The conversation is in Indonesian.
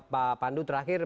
pak pandu terakhir